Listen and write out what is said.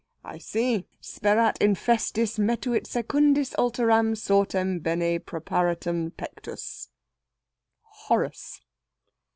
"I see. Sperat infestis metuit secundis alteram sortem bene præparatum pectus Horace."